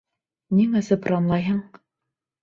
Ниңә сыпранлайһың?